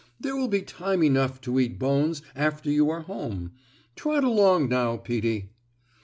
"There will be time enough to eat bones after you are home. Trot along now, Peetie."